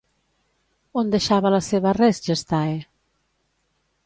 On deixava la seva Res Gestae?